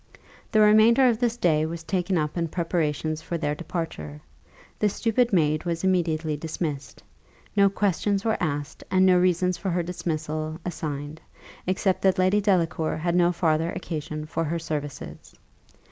The remainder of this day was taken up in preparations for their departure. The stupid maid was immediately dismissed. No questions were asked, and no reasons for her dismissal assigned, except that Lady Delacour had no farther occasion for her services.